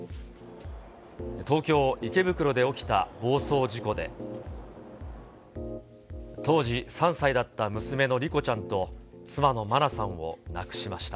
東京・池袋で起きた暴走事故で、当時３歳だった娘の莉子ちゃんと、妻の真菜さんを亡くしました。